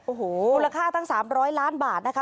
โอ้โหมูลค่าตั้ง๓๐๐ล้านบาทนะคะ